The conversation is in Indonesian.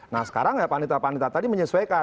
nah sekarang ya panitra panitra tadi menyesuaikan